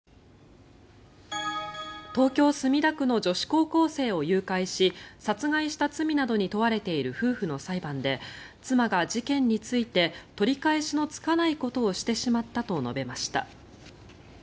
東京・墨田区の女子高校生を誘拐し殺害した罪などに問われている夫婦の裁判で妻が事件について取り返しのつかないことをしてしまったと述べました。